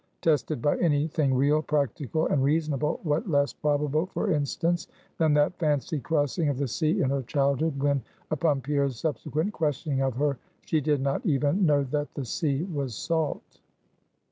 Tested by any thing real, practical, and reasonable, what less probable, for instance, than that fancied crossing of the sea in her childhood, when upon Pierre's subsequent questioning of her, she did not even know that the sea was salt.